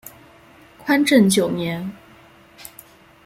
宽政九年。